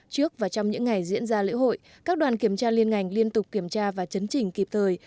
trước và trong những ngày diễn ra lễ hội các đoàn kiểm tra liên ngành liên tục kiểm tra và chấn chỉnh kịp thời